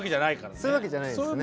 そういうわけじゃないんですね。